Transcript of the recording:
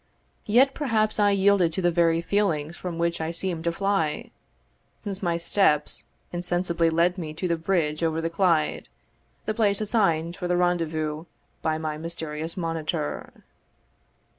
Yet perhaps I yielded to the very feelings from which I seemed to fly, since my steps insensibly led me to the bridge over the Clyde, the place assigned for the rendezvous by my mysterious monitor.